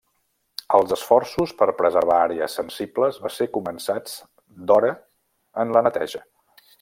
Els esforços per preservar àrees sensibles van ser començats d'hora en la neteja.